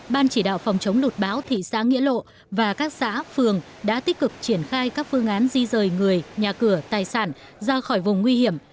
ban chỉ đạo phòng chống lụt bão thị xã nghĩa lộ và các xã phường đã tích cực triển khai các phương án di rời người nhà cửa tài sản ra khỏi vùng nguy hiểm